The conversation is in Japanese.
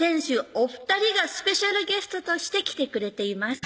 お２人がスペシャルゲストとして来てくれています